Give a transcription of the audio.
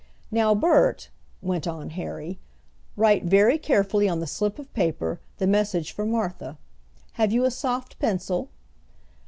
"Now, Bert," went on Harry, "write very carefully on the slip of paper the message for Martha. Have you a soft pencil?"